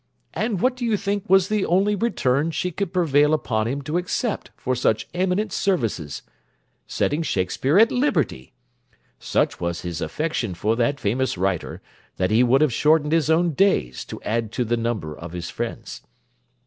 and what do you think was the only return she could prevail upon him to accept for such eminent services? setting Shakespeare at liberty! Such was his affection for that famous writer, that he would have shortened his own days to add to the number of his friend's.